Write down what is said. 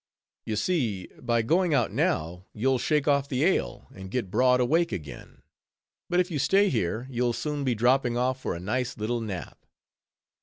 You see, by going out now, you'll shake off the ale, and get broad awake again; but if you stay here, you'll soon be dropping off for a nice little nap."